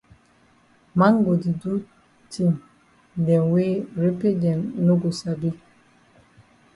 Man go di do tin dem wey repe dem no go sabi.